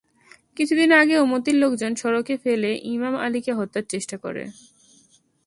কিছুদিন আগেও মতির লোকজন সড়কে ফেলে ইমান আলীকে হত্যার চেষ্টা করে।